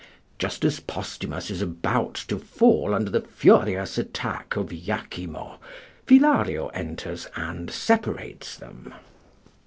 Just as Posthumus is about to fall under the furious attack of Iachimo, Philario enters and separates them.